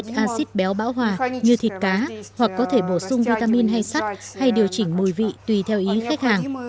chúng ta có thể nuôi thịt acid béo bão hòa như thịt cá hoặc có thể bổ sung vitamin hay sắt hay điều chỉnh mùi vị tùy theo ý khách hàng